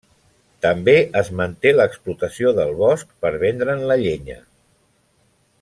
També es manté l'explotació del bosc, per vendre'n la llenya.